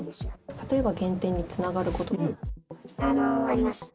例えば減点につながることも？あります。